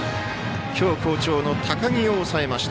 今日、好調の高木を抑えました。